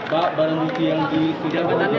pak baru mungkin di sidangnya